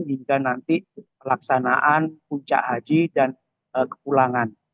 hingga nanti pelaksanaan puncak haji dan kepulangan